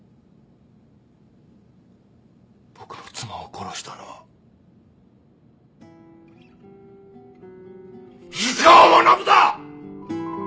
僕の妻を殺したのは湯川学だ！